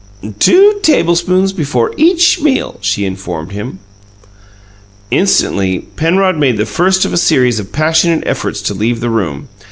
"Two tablespoons before each meal," she informed him. Instantly Penrod made the first of a series of passionate efforts to leave the room.